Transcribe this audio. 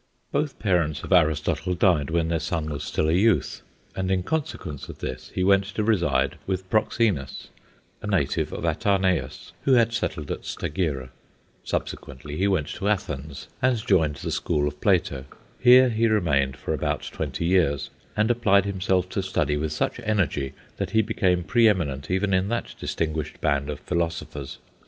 Both parents of Aristotle died when their son was still a youth, and in consequence of this he went to reside with Proxenus, a native of Atarneus, who had settled at Stagira. Subsequently he went to Athens and joined the school of Plato. Here he remained for about twenty years, and applied himself to study with such energy that he became pre eminent even in that distinguished band of philosophers.